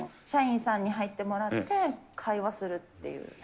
社員さんに入ってもらって会話するっていう。